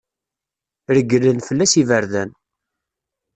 Reglen fell-as yiberdan.